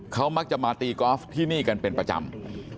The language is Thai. เขามากอล์ฟที่นี่กันเป็นประจำ